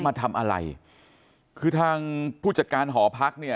มาทำอะไรคือทางผู้จัดการหอพักเนี่ย